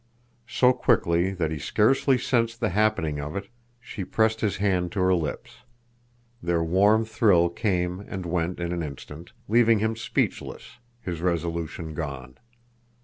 So quickly that he scarcely sensed the happening of it she pressed his hand to her lips. Their warm thrill came and went in an instant, leaving him speechless, his resolution gone.